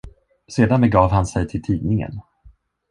Sedan begav han sig till tidningen.